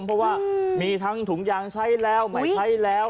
เพราะว่ามีทั้งถุงยางใช้แล้วไม่ใช้แล้ว